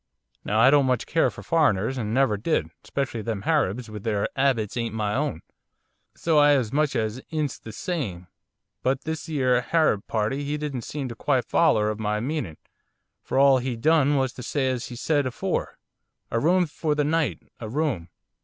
Now I don't much care for foreigners, and never did, especially them Harabs, which their 'abits ain't my own, so I as much 'ints the same. But this 'ere Harab party, he didn't seem to quite foller of my meaning, for all he done was to say as he said afore, "A room for the night, a room."